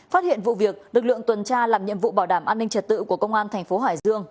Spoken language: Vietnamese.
phát hiện vụ việc lực lượng tuần tra làm nhiệm vụ bảo đảm an ninh trật tự của công an thành phố hải dương